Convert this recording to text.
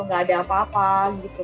gak ada apa apa gitu